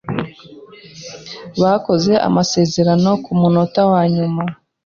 Bakoze amasezerano kumunota wanyuma.